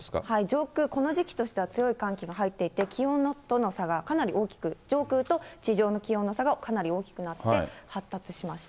上空、この時期としては、強い寒気が入っていて、気温との差がかなり大きく、上空と地上の気温の差がかなり大きくなって発達しました。